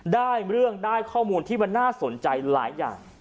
เรื่องได้ข้อมูลที่มันน่าสนใจหลายอย่าง